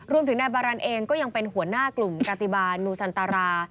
รวมถึงนายบารันเองก็ยังเป็นหัวหน้ากลุ่มกาติบาลนูซันตรา